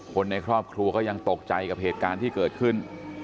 คนในครอบครัวก็ยังตกใจกับเหตุการณ์ที่เกิดขึ้น